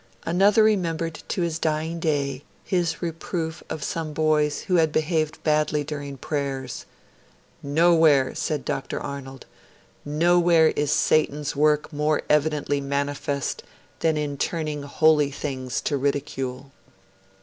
Another remembered to his dying day his reproof of some boys who had behaved badly during prayers. 'Nowhere,' said Dr. Arnold, 'nowhere is Satan's work more evidently manifest than in turning holy things to ridicule.'